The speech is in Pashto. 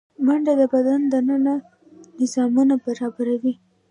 منډه د بدن دننه نظامونه برابروي